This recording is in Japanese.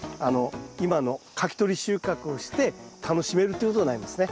今のかき取り収穫をして楽しめるということになりますね。